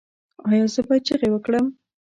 ایا زه باید چیغې وکړم؟